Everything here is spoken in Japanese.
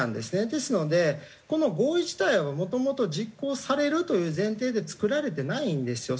ですのでこの合意自体はもともと実行されるという前提で作られてないんですよ。